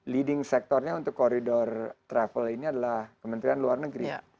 leading sektornya untuk koridor travel ini adalah kementerian luar negeri